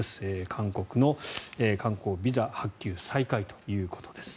韓国の観光ビザ発給再開ということです。